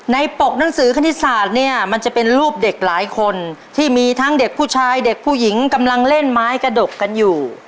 ปกหนังสือคณิตศาสตร์เนี่ยมันจะเป็นรูปเด็กหลายคนที่มีทั้งเด็กผู้ชายเด็กผู้หญิงกำลังเล่นไม้กระดกกันอยู่